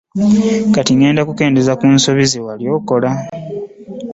Kati ogenda okendeeza ku nsobi ze wali okola.